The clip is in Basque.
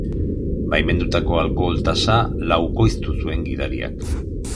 Baimendutako alkohol tasa laukoiztu zuen gidariak.